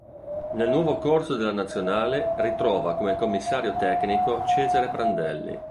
Nel nuovo corso della nazionale ritrova come commissario tecnico Cesare Prandelli.